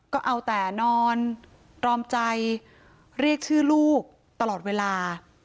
ก็เอาแต่นอนตรอมใจเรียกชื่อลูกตลอดเวลา